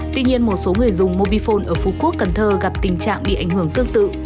tuy nhiên một số người dùng mobifone ở phú quốc cần thơ gặp tình trạng bị ảnh hưởng tương tự